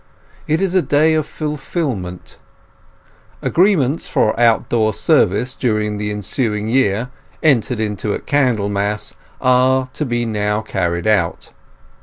It is a day of fulfilment; agreements for outdoor service during the ensuing year, entered into at Candlemas, are to be now carried out.